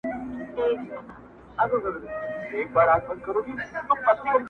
• تل به نه وي زموږ په مېنه د تیارې ابۍ شریکه -